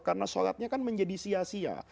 karena sholatnya kan menjadi sia sia